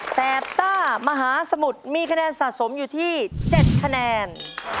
แบบซ่ามหาสมุทรมีคะแนนสะสมอยู่ที่๗คะแนน